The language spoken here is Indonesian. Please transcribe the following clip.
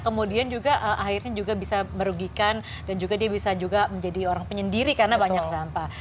kemudian juga akhirnya juga bisa merugikan dan juga dia bisa juga menjadi orang penyendiri karena banyak sampah